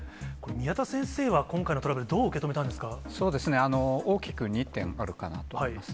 宮田先生は、今回のトラブル、そうですね、大きく２点あるかなと思います。